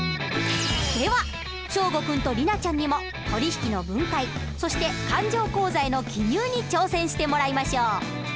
では祥伍君と莉奈ちゃんにも取引の分解そして勘定口座への記入に挑戦してもらいましょう。